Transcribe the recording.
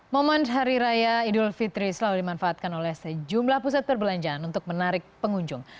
momen hari raya idul fitri selalu dimanfaatkan oleh sejumlah pusat perbelanjaan untuk menarik pengunjung